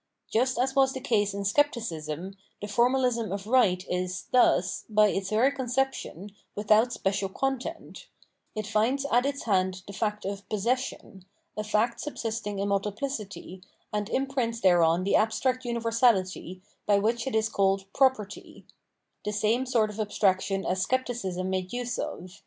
Just as was th.e cas6 in Scepticism, tlie formalism of "right" is, thus, by its very conception, without special content ; it finds at its hand the fact of "possession," a fact subsisting in multiplicity, and im prints thereon the abstract universality, by which it is called "property," — the same sort of abstraction as Scepticism made use of.